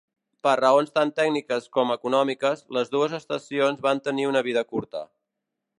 Per raons tant tècniques com econòmiques, les dues estacions van tenir una vida curta.